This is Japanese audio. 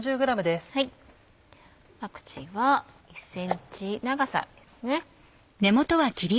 パクチーは１ｃｍ長さですね。